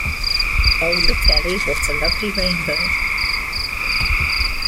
Oh, look, Ellie, what a lovely rainbow!